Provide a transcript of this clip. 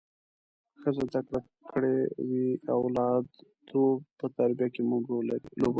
که ښځه زده کړې کړي وي اولادو په تربیه کې مهم رول لوبوي